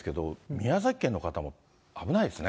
宮崎県の方も危ないですね。